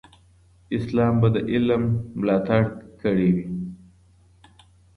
اسلام به د علم ملاتړ کړی وي.